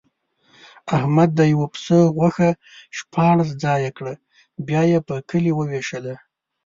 احمد د یوه پسه غوښه شپاړس ځایه کړه، بیا یې په کلي ووېشله.